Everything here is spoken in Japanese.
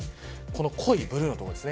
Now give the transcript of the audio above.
濃いブルーのところです。